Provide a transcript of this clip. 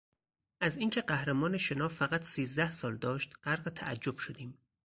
از این که قهرمان شنا فقط سیزده سال داشت غرق تعجب شدیم.